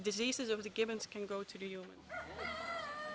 bisa mengalami penyakit yang diberikan oleh manusia